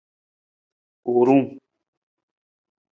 Wuurung.